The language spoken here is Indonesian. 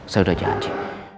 saya udah janji